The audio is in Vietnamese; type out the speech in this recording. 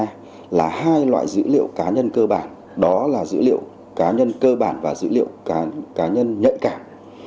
nghị định một mươi ba là hai loại dữ liệu cá nhân cơ bản đó là dữ liệu cá nhân cơ bản và dữ liệu cá nhân nhạy cảm